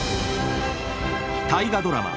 大河ドラマ